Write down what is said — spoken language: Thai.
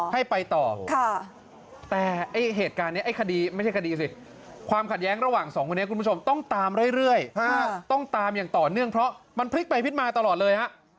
ให้ไปต่อค่ะแต่เหตุการณ์นี้ความขัดแย้งระหว่างสองคนนี้คุณผู้ชมต้องตามเรื่อยต้องตามอย่างต่อเนื่องเพราะมันพลิกไปพลิกมาตลอดเลย